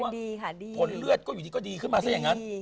ผลเลือดก็อยู่ดีขึ้นมาซะอย่างนั้น